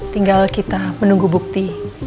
tinggal kita menunggu bukti